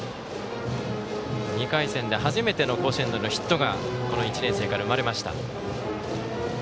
２回戦で初めての甲子園でのヒットがこの１年生から生まれました。